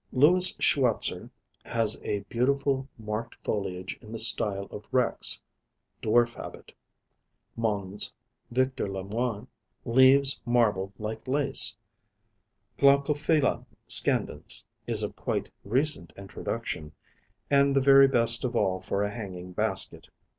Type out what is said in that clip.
Louis Schwatzer has a beautiful marked foliage in the style of Rex, dwarf habit. Mons. Victor Lamoine, leaves marbled like lace. Glaucophylla Scandens is of quite recent introduction, and the very best of all for a hanging basket.